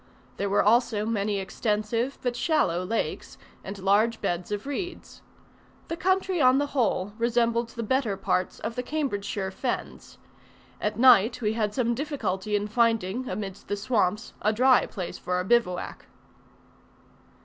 There were also many extensive but shallow lakes, and large beds of reeds. The country on the whole resembled the better parts of the Cambridgeshire fens. At night we had some difficulty in finding amidst the swamps, a dry place for our bivouac.